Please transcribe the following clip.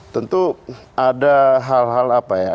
tentu ada hal hal apa ya